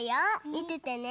みててね。